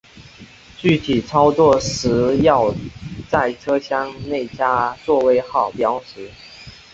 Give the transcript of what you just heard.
具体操作时要在车厢内加座位号标识。